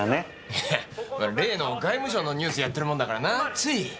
ヘヘ例の外務省のニュースやってるもんだからなつい。